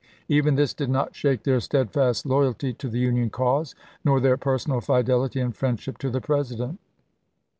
Even this did not shake their steadfast loyalty to the Union cause, nor their personal fidelity and friendship to the President.